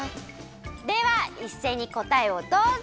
ではいっせいにこたえをどうぞ。